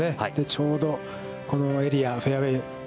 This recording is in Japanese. ちょうどこのエリア、フェアウェイ